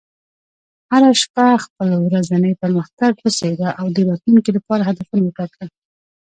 هره شپه خپل ورځنی پرمختګ وڅېړه، او د راتلونکي لپاره هدفونه وټاکه.